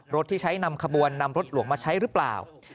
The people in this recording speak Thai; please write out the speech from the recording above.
ที่ใช้นำขบวนนำรถหลวงมาใช้หรือเปล่า